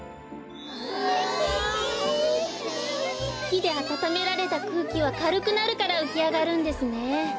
ひであたためられたくうきはかるくなるからうきあがるんですね。